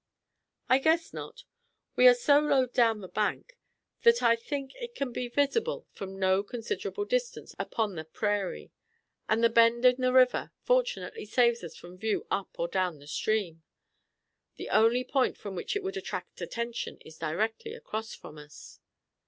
"I guess not. We are so low down the bank that I think it can be visible for no considerable distance upon the prairie, and the bend in the river fortunately saves us from view up or down the stream. The only point from which it would attract attention is directly across from us."